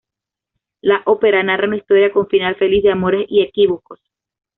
La ópera narra una historia, con final feliz, de amores y equívocos.